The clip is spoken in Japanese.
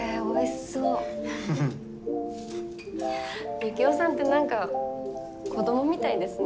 ユキオさんって何か子どもみたいですね。